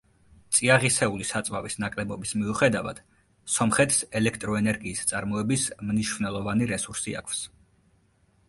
წიაღისეული საწვავის ნაკლებობის მიუხედავად, სომხეთს ელექტროენერგიის წარმოების მნიშვნელოვანი რესურსი აქვს.